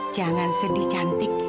jangan sedih cantik